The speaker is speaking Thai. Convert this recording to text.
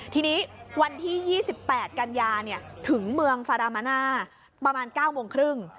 ทีนี้วันที่๒๘กันยาถึงเมืองฟารามาน่าประมาณ๙โมงครึ่ง